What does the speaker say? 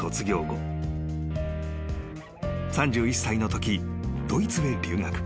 ［３１歳のときドイツへ留学］